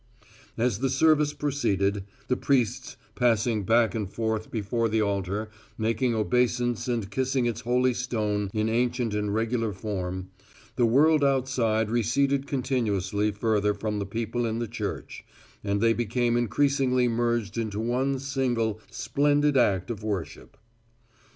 As the service proceeded, the priests passing back and forth before the altar making obeisance and kissing its holy stone in ancient and regular form, the world outside receded continuously further from the people in the church, and they became increasingly merged into one single, splendid act of worship.